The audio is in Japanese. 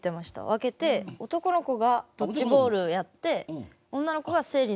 分けて男の子がドッジボールやって女の子は生理の授業。